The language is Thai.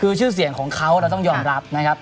คือชื่อเสียงของเขาเราต้องยอมรับนะครับ